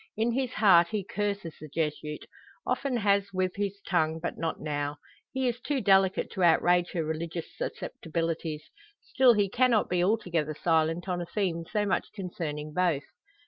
In his heart he curses the Jesuit often has with his tongue, but not now. He is too delicate to outrage her religious susceptibilities. Still he cannot be altogether silent on a theme so much concerning both.